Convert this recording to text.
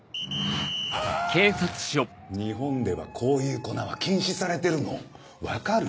日本ではこういう粉は禁止されてるの分かる？